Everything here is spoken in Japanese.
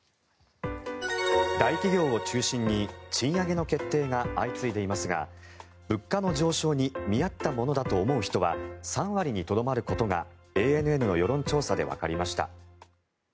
大企業を中心に賃上げの決定が相次いでいますが物価の上昇に見合ったものだと思う人は３割にとどまることがＡＮＮの世論調査でわかりました。